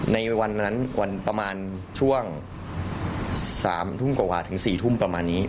ในวันนั้นวันประมาณช่วง๓ทุ่มกว่าถึง๔ทุ่มประมาณนี้